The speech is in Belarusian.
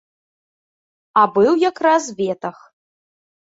А быў якраз ветах.